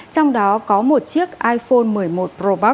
trong đó có một chiếc iphone một mươi một promoc